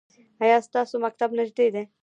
ایا ستاسو مکتب نږدې دی؟